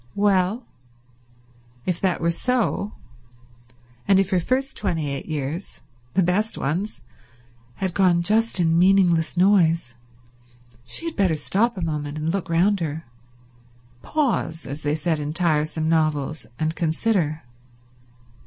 Well, if that were so, and if her first twenty eight years—the best ones—had gone just in meaningless noise, she had better stop a moment and look round her; pause, as they said in tiresome novels, and consider.